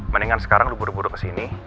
mendingan sekarang lu buru buru kesini